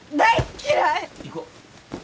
行こう。